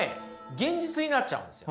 現実になっちゃうんですよ。